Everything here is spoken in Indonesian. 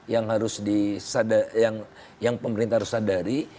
yang harus di sadari yang pemerintah harus sadari